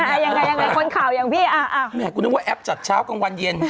ยังไงยังไงคนข่าวอย่างพี่อ่ะแหมคุณนึกว่าแอปจัดเช้ากลางวันเย็น